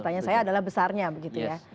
pertanyaan saya adalah besarnya begitu ya